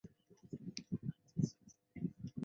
国营林场是下辖的一个类似乡级单位。